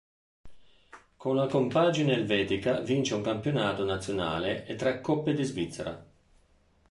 Con la compagine elvetica vince un campionato nazionale e tre Coppe di Svizzera.